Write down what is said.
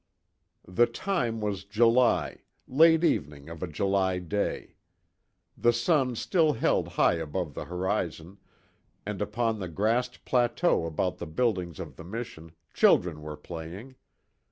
The time was July late evening of a July day. The sun still held high above the horizon, and upon the grassed plateau about the buildings of the mission children were playing.